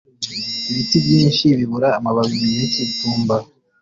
ibiti byinshi bibura amababi mu gihe cyitumba